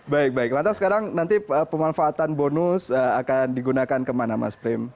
baik baik lantas sekarang nanti pemanfaatan bonus akan digunakan kemana mas prim